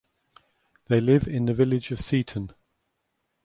They live in the village of Seaton.